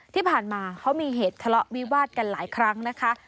ที่ผ่านมาเขามีเหตุทะเลาะวิวาดกันหลายครั้งนะคะ